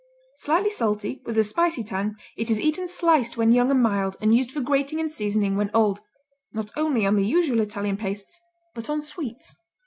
Slightly salty, with a spicy tang, it is eaten sliced when young and mild and used for grating and seasoning when old, not only on the usual Italian pastes but on sweets.